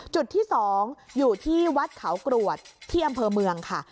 จุดที่๒อยู่ที่วัดเขากรวดที่อำเภอเมืองค่ะ